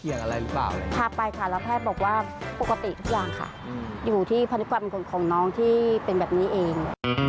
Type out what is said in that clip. อยู่ที่พันธุกรรมของน้องที่เป็นแบบนี้เอง